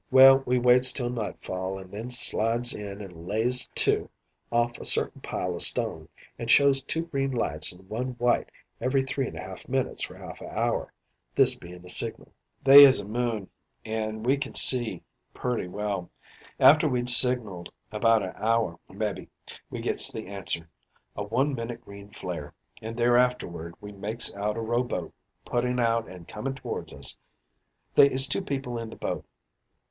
"Well, we waits till nightfall an' then slides in an' lays to off a certain pile o' stone, an' shows two green lights and one white every three and a half minutes for half a hour this being a signal. "They is a moon, an' we kin see pretty well. After we'd signaled about a hour, mebbee, we gits the answer a one minute green flare, and thereafterward we makes out a rowboat putting out and comin' towards us. They is two people in the boat.